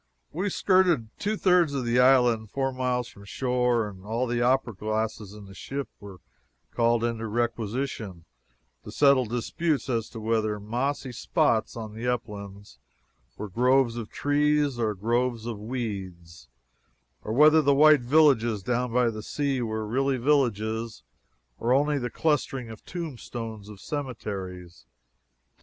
We skirted around two thirds of the island, four miles from shore, and all the opera glasses in the ship were called into requisition to settle disputes as to whether mossy spots on the uplands were groves of trees or groves of weeds, or whether the white villages down by the sea were really villages or only the clustering tombstones of cemeteries.